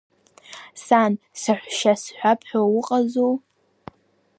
Сан, саҳәшьа сҳәап ҳәа уҟазу?